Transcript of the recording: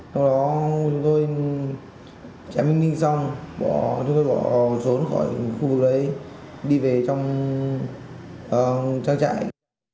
sau đó chúng tôi chém anh ninh xong chúng tôi bỏ xuống khỏi khu vực đấy đi về trong trang trại